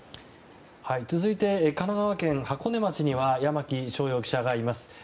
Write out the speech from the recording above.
続いて神奈川県箱根町には山木翔遥記者がいます。